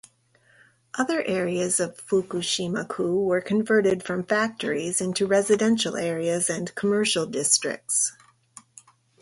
Other areas of Fukushima-ku were converted from factories into residential areas and commercial districts.